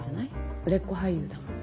売れっ子俳優だもん。